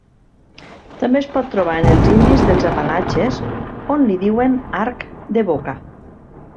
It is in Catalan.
També es pot trobar entre els indis dels Apalatxes, on li diuen arc de boca.